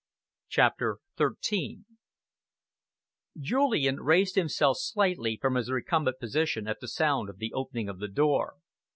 CHAPTER XIII Julian raised himself slightly from his recumbent position at the sound of the opening of the door.